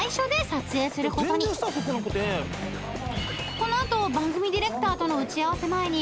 ［この後番組ディレクターとの打ち合わせ前に］